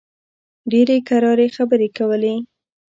ډېرې کراري خبرې کولې.